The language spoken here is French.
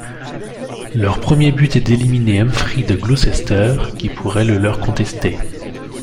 Leur premier but est d'éliminer Humphrey de Gloucester qui pourrait le leur contester.